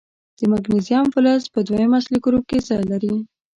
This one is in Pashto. د مګنیزیم فلز په دویم اصلي ګروپ کې ځای لري.